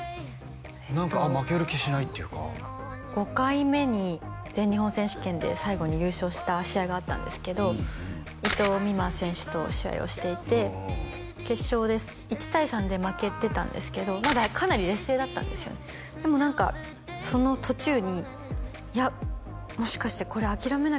何か負ける気しないっていうか５回目に全日本選手権で最後に優勝した試合があったんですけど伊藤美誠選手と試合をしていて決勝で１対３で負けてたんですけどかなり劣勢だったんですよねでもその途中に「いやもしかしてこれ諦めなければ」